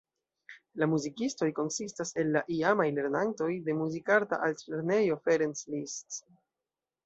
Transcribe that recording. La muzikistoj konsistas el la iamaj lernantoj de Muzikarta Altlernejo Ferenc Liszt.